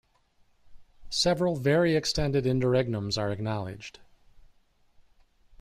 Several very extended interregnums are acknowledged.